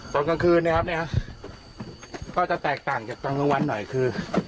ตอนกลางคืนนะครับเนี่ยก็จะแตกต่างจากตอนกลางวันหน่อยคือ